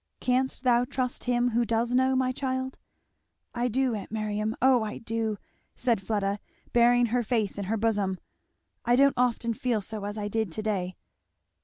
Canst thou trust him who does know, my child?" "I do, aunt Miriam, O I do," said Fleda, burying her face in her bosom; "I don't often feel so as I did to day."